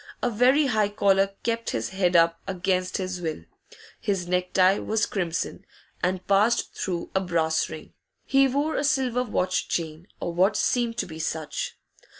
A very high collar kept his head up against his will; his necktie was crimson, and passed through a brass ring; he wore a silver watch chain, or what seemed to be such.